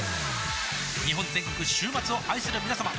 日本全国週末を愛するみなさま